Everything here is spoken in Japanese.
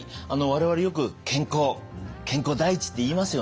我々よく健康健康第一って言いますよね。